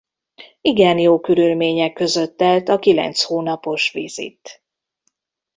Igen jó körülmények között telt a kilenc hónapos vizit.